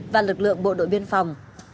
và lực lượng bộ đội biên phòng